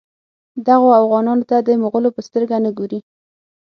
دغو اوغانانو ته د مغولو په سترګه نه ګوري.